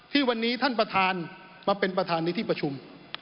ที่วันนี้ท่านประธานมาเป็นประธานในที่ประชุม